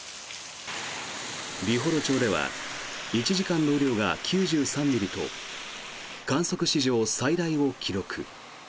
美幌町では１時間の雨量が９３ミリと観測史上最大を記録。